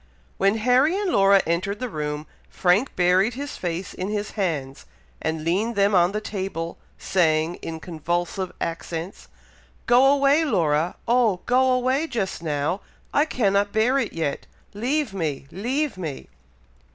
When Harry and Laura entered the room, Frank buried his face in his hands, and leaned them on the table, saying, in convulsive accents, "Go away, Laura! oh go away just now! I cannot bear it yet! leave me! leave me!"